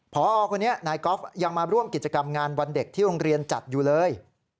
พอคนนี้นายกอล์ฟยังมาร่วมกิจกรรมงานวันเด็กที่โรงเรียนจัดอยู่เลย